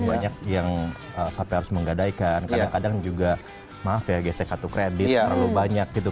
banyak yang sampai harus menggadaikan kadang kadang juga maaf ya gesek kartu kredit terlalu banyak gitu